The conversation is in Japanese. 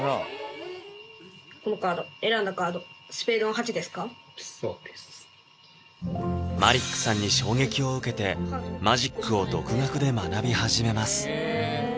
このカードマリックさんに衝撃を受けてマジックを独学で学び始めます